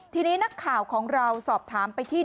ทีนี้นักข่าวของเราสอบถามไปที่